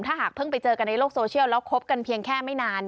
ถ้าหากเพิ่งไปเจอกันในโลกโซเชียลแล้วคบกันเพียงแค่ไม่นาน